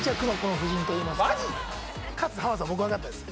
かつ浜田さん僕分かったんです